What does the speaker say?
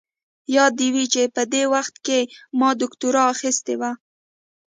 ياده دې وي چې په دې وخت کې ما دوکتورا اخيستې وه.